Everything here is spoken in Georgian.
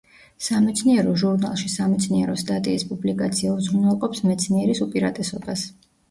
სამეცნიერო ჟურნალში სამეცნიერო სტატიის პუბლიკაცია უზრუნველყოფს მეცნიერის უპირატესობას.